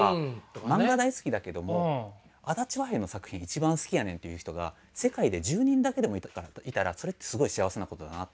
「漫画大好きだけども足立和平の作品一番好きやねん」っていう人が世界で１０人だけでもいたらそれってすごい幸せなことだなと思って。